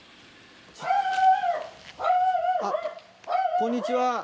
あっ。